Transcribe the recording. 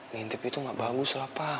ngintip itu gak bagus lah pak